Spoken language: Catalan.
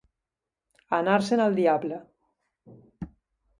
Anar-se'n al diable.